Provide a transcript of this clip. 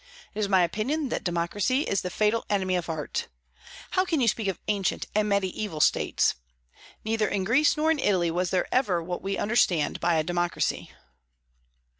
It is my opinion that democracy is the fatal enemy of art. How can you speak of ancient and mediaeval states? Neither in Greece nor in Italy was there ever what we understand by a democracy."